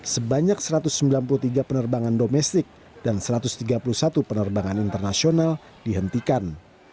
sebanyak satu ratus sembilan puluh tiga penerbangan domestik dan satu ratus tiga puluh satu penerbangan internasional dihentikan